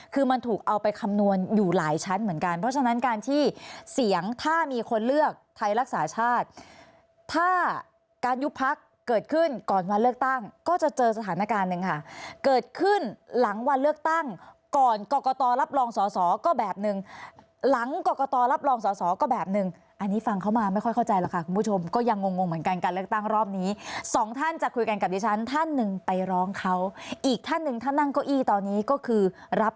คือมันถูกเอาไปคำนวณอยู่หลายชั้นเหมือนกันเพราะฉะนั้นการที่เสียงถ้ามีคนเลือกไทยรักษาชาติถ้าการยุบพักเกิดขึ้นก่อนวันเลือกตั้งก็จะเจอสถานการณ์นึงค่ะเกิดขึ้นหลังวันเลือกตั้งก่อนกรกตรรับรองสอสอก็แบบนึงหลังกรกตรรับรองสอสอก็แบบนึงอันนี้ฟังเข้ามาไม่ค่อยเข้าใจแล้วค่ะคุณผ